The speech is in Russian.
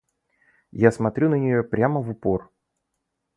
Я смотрю на неё прямо в упор.